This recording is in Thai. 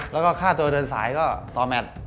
ให้วิ่งหมด